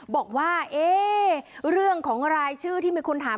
บอกว่าเรื่องของรายชื่อที่มีคนถาม